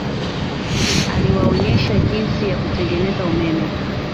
Aliwaonyesha jinsi ya kutengeneza umeme